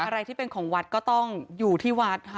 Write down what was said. อะไรที่เป็นของวัดก็ต้องอยู่ที่วัดค่ะ